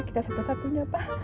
kita satu satunya pak